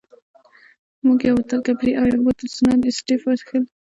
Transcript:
مو یو بوتل کپري او یو بوتل سنت اېسټېف وڅېښل.